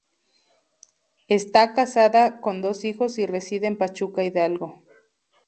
Está casada, con dos hijos y reside en Pachuca, Hidalgo.